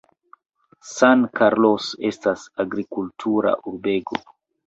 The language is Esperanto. San Carlos estas agrikultura urbego.